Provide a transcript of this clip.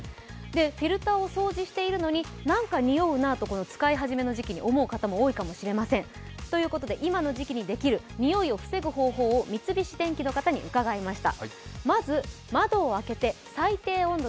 フィルターを掃除しているのになんかにおうなと使い始めの時期に思う方も多いかもしれませんということで、今の時期にできる匂いを防ぐ方法を三菱電機の方に伺いました。